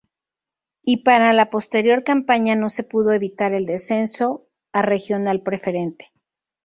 Y para la posterior campaña no se pudo evitar el descenso a Regional Preferente.